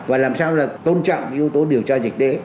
và làm sao là tôn trọng yếu tố điều tra dịch đế